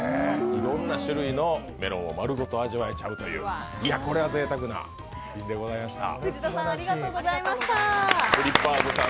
いろんな種類のメロンを丸ごと味わえちゃうという、いや、これはぜいたくな一品でございました。